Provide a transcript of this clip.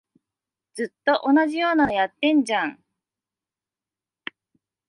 ずっと同じようなのやってんじゃん